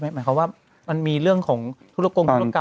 หมายความว่ามันมีเรื่องของธุรกงธุรกรรม